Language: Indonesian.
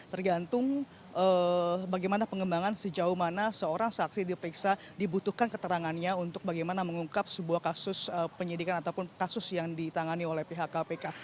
tergantung bagaimana pengembangan sejauh mana seorang saksi diperiksa dibutuhkan keterangannya untuk bagaimana mengungkap sebuah kasus penyidikan ataupun kasus yang ditangani oleh pihak kpk